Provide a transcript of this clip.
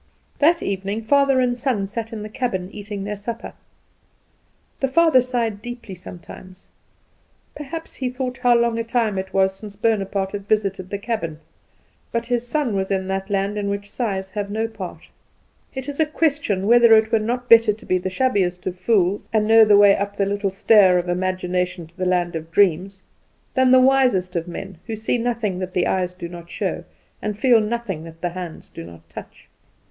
That evening father and son sat in the cabin eating their supper. The father sighed deeply sometimes. Perhaps he thought how long a time it was since Bonaparte had visited the cabin; but his son was in that land in which sighs have no part. It is a question whether it were not better to be the shabbiest of fools, and know the way up the little stair of imagination to the land of dreams, than the wisest of men, who see nothing that the eyes do not show, and feel nothing that the hands do not touch.